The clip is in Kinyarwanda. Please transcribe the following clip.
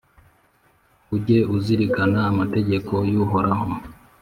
Ujye uzirikana amategeko y’Uhoraho,